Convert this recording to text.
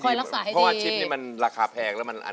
เพราะว่าชิปนี้มันราคาแพงแล้วมันอัน